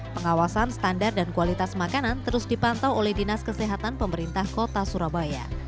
pengawasan standar dan kualitas makanan terus dipantau oleh dinas kesehatan pemerintah kota surabaya